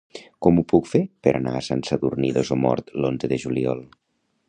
Com ho puc fer per anar a Sant Sadurní d'Osormort l'onze de juliol?